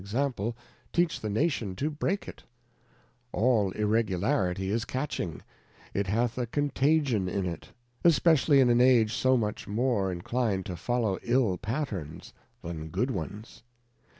Example, I teach the Nation to break it ; all irregularity is catching, it \ hath a Contagion in it, especially in an Age so much more enclin^d to follow ill Patterns than good ones.